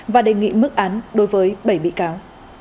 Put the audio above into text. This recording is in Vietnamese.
và đề nghị mức án đối với bảy bị cáo